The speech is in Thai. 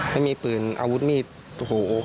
ไม่มีปืนอาวุธมีด